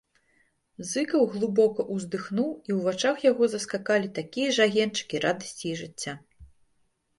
Зыкаў глыбока ўздыхнуў, і ў вачах яго заскакалі такія ж агеньчыкі радасці і жыцця.